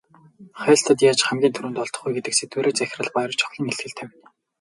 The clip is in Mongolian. Хайлтад яаж хамгийн түрүүнд олдох вэ гэдэг сэдвээр захирал Баяржавхлан илтгэл тавина.